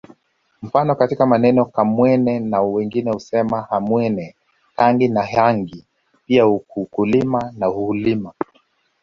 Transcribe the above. Mfano katika maneno Kamwene wengine husema Hamwene Kangi na hangi pia ukukulima na uhulima